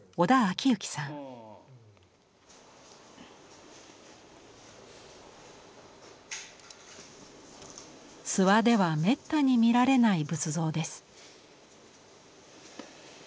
諏訪ではめったに見られない仏像です。